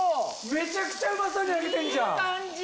めちゃくちゃうまそうに焼けてんじゃん！